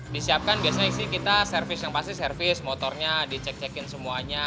disiapkan biasanya sih kita servis yang pasti servis motornya dicek cekin semuanya